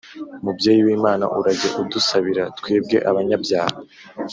mubyeyi w’imana, urajye udusabira twebwe abanyabyaha